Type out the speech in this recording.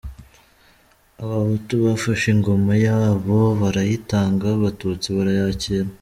Abahutu bafashe ingoma yabo barayitanga, abatutsi barayakire.